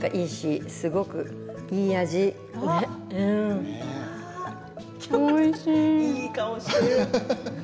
いい顔してる。